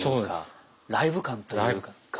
ライブ感というか。